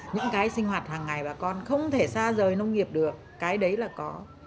những cái sinh hoạt hàng ngày bà con không thể xa rời nông nghiệp được cái đấy là có